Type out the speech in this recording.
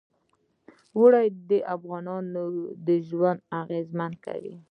اوړي د افغانانو ژوند اغېزمن کوي.